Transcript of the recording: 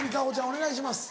お願いします。